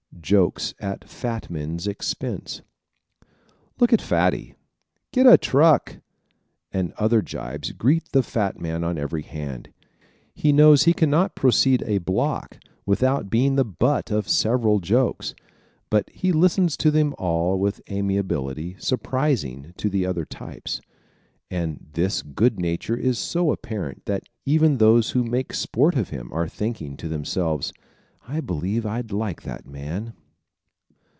Jokes at Fat Men's Expense ¶ "Look at Fatty," "get a truck," and other jibes greet the fat man on every hand. He knows he can not proceed a block without being the butt of several jokes, but he listens to them all with an amiability surprising to other types. And this good nature is so apparent that even those who make sport of him are thinking to themselves: "I believe I'd like that man."